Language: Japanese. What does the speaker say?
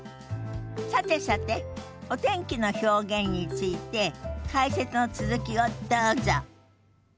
さてさてお天気の表現について解説の続きをどうぞ。